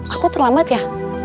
aku terlambat ya